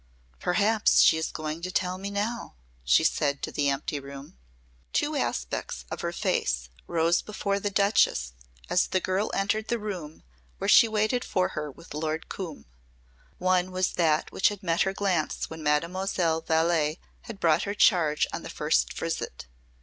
"Perhaps she is going to tell me now," she said to the empty room. Two aspects of her face rose before the Duchess as the girl entered the room where she waited for her with Lord Coombe. One was that which had met her glance when Mademoiselle Vallé had brought her charge on her first visit.